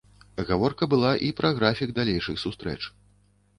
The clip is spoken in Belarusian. Гаворка была і пра графік далейшых сустрэч.